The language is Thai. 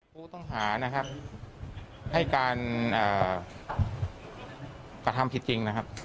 ผู้ต้องหานะครับให้การกระทำผิดจริงนะครับ